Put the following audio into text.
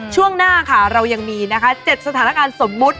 ช่วงหน้าค่ะเรายังมีนะคะ๗สถานการณ์สมมุติ